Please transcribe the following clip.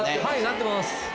はいなってます。